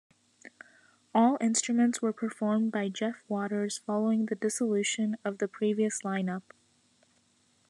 All instruments were performed by Jeff Waters following the dissolution of the previous line-up.